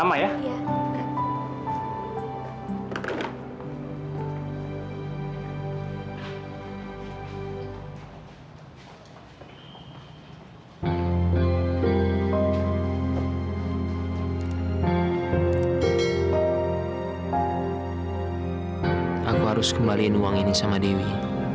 aku harus kembalikan uang ini sama dewi